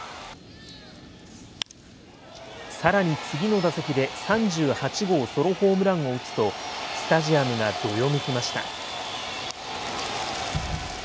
さらに次の打席で３８号ソロホームランを打つとスタジアムがどよめきました。